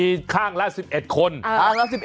สกิดยิ้ม